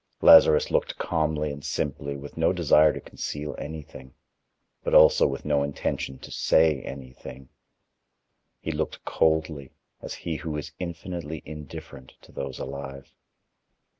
Lazarus looked calmly and simply with no desire to conceal anything, but also with no intention to say anything; he looked coldly, as he who is infinitely indifferent to those alive.